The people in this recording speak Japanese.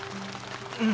うん。